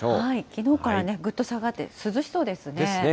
きのうからぐっと下がって、涼しそうですね。ですね。